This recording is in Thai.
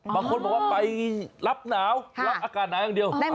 บางคนบอกว่าไปรับหนาวรับอากาศหนาวอย่างเดียว